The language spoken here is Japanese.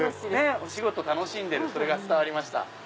お仕事楽しんでるそれが伝わりました。